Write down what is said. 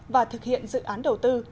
và thực hiện dự án đầu tư